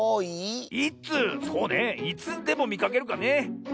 そうねいつでもみかけるかね。